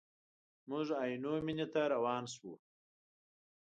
موږ د عینو مینې ته روان شوو.